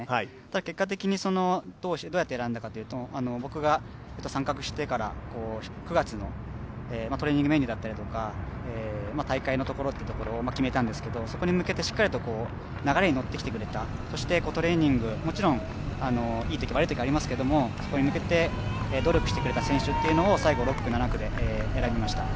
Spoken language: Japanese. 結果的にどうやって選んだかというと僕が参画してから９月のトレーニングメニューだったりとか大会のところを決めたんですけどそこに向けてしっかりと流れに乗ってきてくれた、そしてトレーニング、もちろんいいときも悪いときもありますけれども、そこに向けて努力してくれた選手というのを最後、６区、７区で選びました。